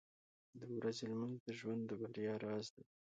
• د ورځې لمونځ د ژوند د بریا راز دی.